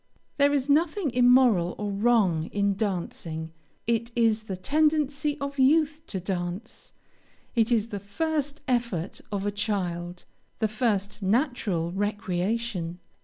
There is nothing immoral or wrong in dancing; it is the tendency of youth to dance it is the first effort of a child the first natural recreation.